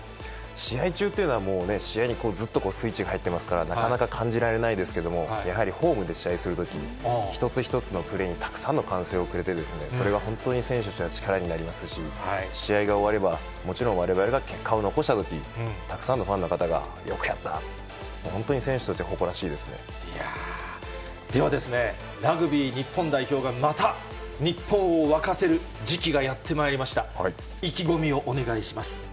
試合中っていうのはもうね、試合にずっとスイッチ入ってますから、なかなか感じられないですけども、やはりホームで試合するとき、一つ一つのプレーにたくさんの歓声をくれてですね、それが本当に選手としては力になりますし、試合が終われば、もちろん、われわれが結果を残したとき、たくさんのファンの方がよくやった、本当に選手たちは誇らしいでいやぁ、ではですね、ラグビー日本代表がまた日本を沸かせる時期がやってまいりました。